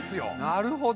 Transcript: なるほど。